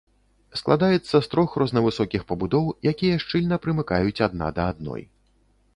Складаецца з трох рознавысокіх пабудоў, якія шчыльна прымыкаюць адна да адной.